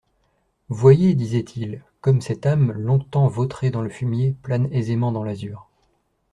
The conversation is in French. «Voyez, disaient-ils, comme cette âme longtemps vautrée dans le fumier plane aisément dans l'azur.